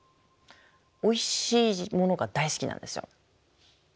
おいしいものが大好きなんですよ。